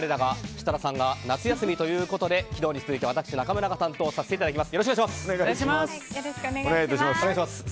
今週は我らが設楽さんが夏休みということで昨日に続いて私、中村が担当させていただきます。